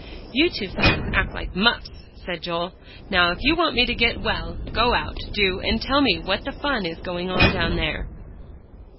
"You two fellows act like muffs," said Joel. "Now if you want me to get well, go out, do, and tell me what the fun is going on down there."